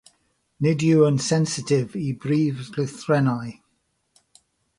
Nid yw'n sensitif i brif lythrennau.